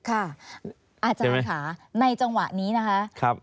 อาจารย์ค่ะในจังหวะนี้นะคะ